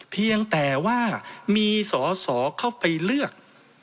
เพียงแต่ว่ามีสอสอเข้าไปเลือก